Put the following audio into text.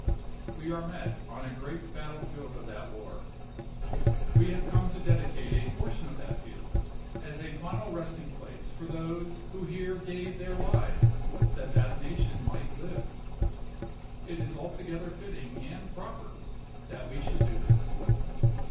We are met on a great battlefield of that war. We have come to dedicate a portion of that field, as a final resting place for those who here gave their hves that that nation might live. It is altogether fitting and proper that we should do this.